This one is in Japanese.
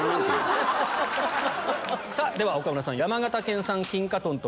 では岡村さん。